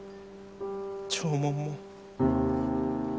弔問も。